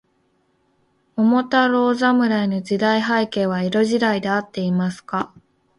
桃太郎侍の時代背景は、江戸時代であっていますか。